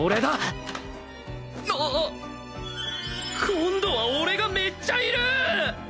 今度は俺がめっちゃいるー！？